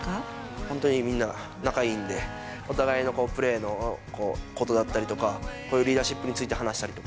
本当にみんな仲いいんで、お互いのプレーのことだったりとか、リーダーシップについて話し